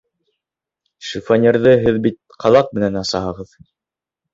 Шифоньерҙы һеҙ бит ҡаҙаҡ менән асаһығыҙ.